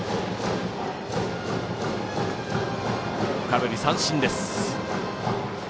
空振り三振です。